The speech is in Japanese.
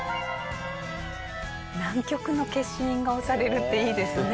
南極の消印が押されるっていいですね。